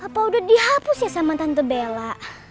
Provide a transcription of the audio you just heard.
apa udah dihapus ya sama tante bella